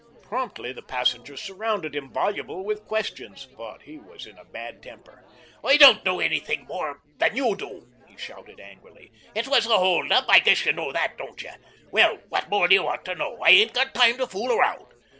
Promptly the passengers surrounded him, voluble with questions. But he was in a bad temper. "I don't know anything more than you," he shouted angrily. "It was a hold up. I guess you know that, don't you? Well, what more do you want to know? I ain't got time to fool around.